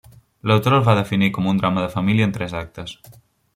L'autora el va definir com un drama de família en tres actes.